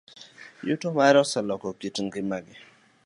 Yuto mare oseloko kit ngimagi.